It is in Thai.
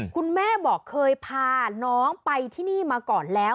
คุณแม่บอกเคยพาน้องไปที่นี่มาก่อนแล้ว